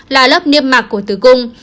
là lớp niêm mạc của tử cung